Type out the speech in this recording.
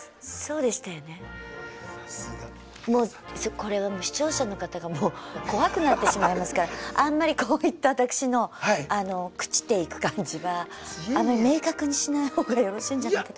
これはもう視聴者の方がもう怖くなってしまいますからあんまりこういった私のあの朽ちていく感じはあんまり明確にしない方がよろしいんじゃないかと。